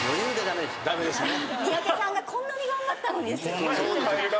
三宅さんがこんなに頑張ったのにですよ。